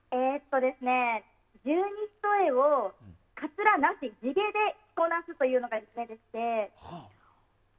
十二単をカツラなしで地毛で着こなすというのが夢でして。